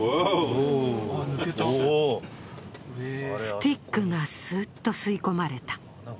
スティックがすっと吸い込まれた。